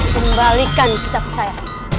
kembalikan kitab saya